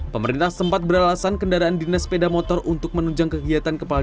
pemerintah sempat beralasan kendaraan dinas sepeda motor untuk menunjang kegiatan kepala